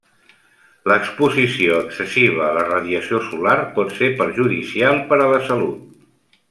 L'exposició excessiva a la radiació solar pot ser perjudicial per a la salut.